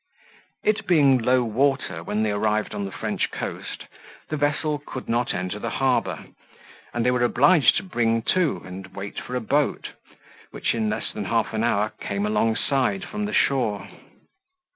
It being low water when they arrived on the French coast, the vessel could not enter the harbour, and they were obliged to bring to, and wait for a boat, which in less than half an hour came alongside from the shore.